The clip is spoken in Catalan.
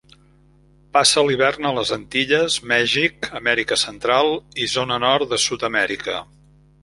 Passa l'hivern a les Antilles, Mèxic, Amèrica Central i zona nord de Sud-amèrica.